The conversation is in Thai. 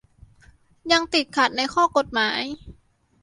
ยังติดขัดในข้อกฎหมาย